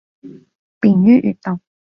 便于阅读